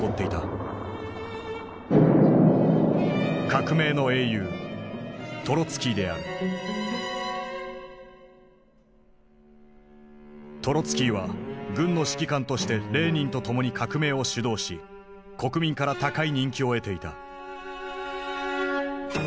革命の英雄トロツキーは軍の指揮官としてレーニンと共に革命を主導し国民から高い人気を得ていた。